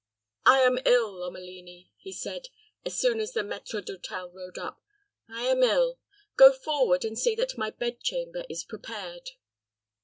"I am ill, Lomelini," he said, as soon as the maître d'hôtel rode up; "I am ill. Go forward and see that my bed chamber is prepared."